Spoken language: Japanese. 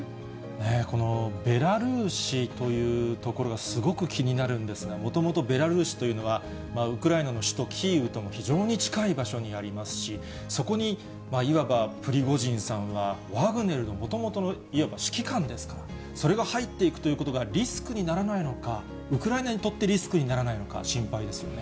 このベラルーシという所がすごく気になるんですが、もともとベラルーシというのは、ウクライナの首都キーウとも非常に近い場所にありますし、そこにいわばプリゴジンさんはワグネルのもともとのいわば指揮官ですから、それが入っていくということがリスクにならないのか、ウクライナにとってリスクにならないのか、心配ですよね。